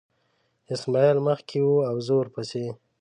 اسماعیل مخکې و او زه ورپسې.